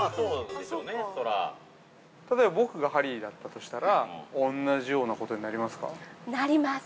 ◆例えば、僕がハリーだったとしたら同じようなことになりますか。◆なります。